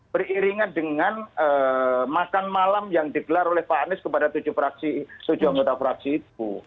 beriringan dengan makan malam yang digelar oleh pak anies kepada tujuh anggota fraksi itu